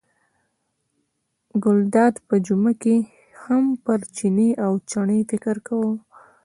ګلداد په جمعه کې هم پر چیني او چڼي فکر کاوه.